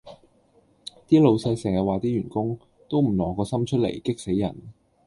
啲老細成日話啲員工：都唔挪個心出嚟，激死人